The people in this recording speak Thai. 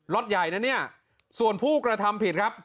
ใหญ่นะเนี่ยส่วนผู้กระทำผิดครับ